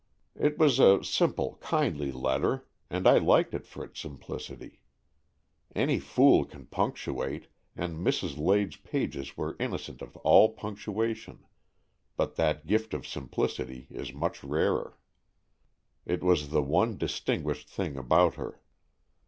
It was a simple, kindly letter, and I liked it for its simplicity. Any fool can punctuate, and Mrs. Lade's pages were innocent of all punctuation, but that gift of simplicity is much rarer. It was the one distinguished thing about her.